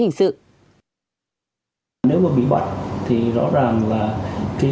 trong lĩnh vực tiền tệ